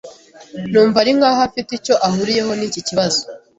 Numva ari nkaho afite icyo ahuriyeho niki kibazo.